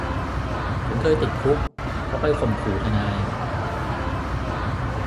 ฉันเคยติดคุกเพราะไปข่มขู่ทนาย